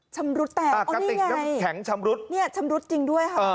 ชำรุษแต่อันนี้ไงเดี๋ยวชำรุษจริงด้วยอะ